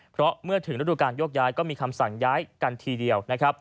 เพราะเมื่อถึงฤดูการโยกย้ายก็มีคำสั่งย้ายกันทีเดียวนะครับ